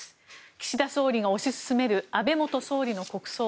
岸田総理が推し進める安倍元総理の国葬。